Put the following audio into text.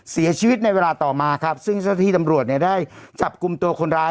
เสียชีวิตในเวลาต่อมาครับซึ่งเจ้าที่ตำรวจเนี่ยได้จับกลุ่มตัวคนร้าย